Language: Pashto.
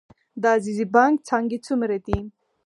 د عزیزي بانک څانګې څومره دي؟